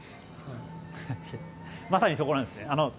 まさにそこなんですね。